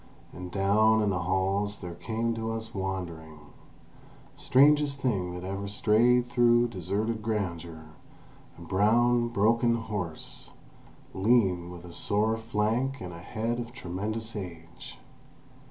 And down in the halls there came to us wandering—strangest thing that ever strayed through deserted grandeur—a brown, broken horse, lean, with a sore flank and a head of tremendous age.